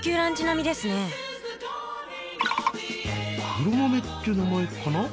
「黒豆」って名前かな？